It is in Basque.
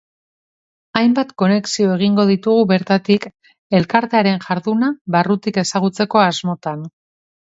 Hainbat konexio egingo ditugu bertatik, elkartearen jarduna barrutik ezagutzeko asmotan.